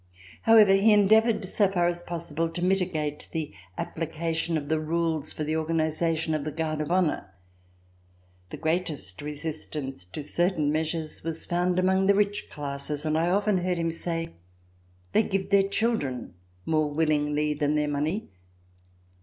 However, he endeavored so far as possible to mitigate the application of the rules for the organization of the Guards of Honor. The greatest resistance to certain measures was found among the rich classes, and I often heard him say: "They give their children more willingly than their money."